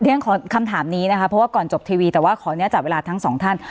ฉันขอคำถามนี้นะคะเพราะว่าก่อนจบทีวีแต่ว่าขออนุญาตจับเวลาทั้งสองท่าน